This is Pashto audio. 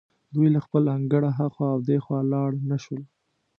دوی له خپل انګړه هخوا او دېخوا لاړ نه شول.